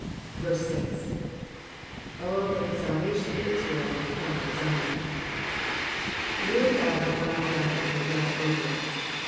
6. ''Oh that the salvation of Israel were come out of Zion."*^ Would God the final battle were well over.